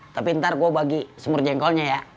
tapi ntar gue bagi sumur jengkolnya ya